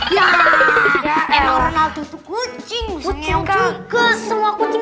ya orang lalu tuh kucing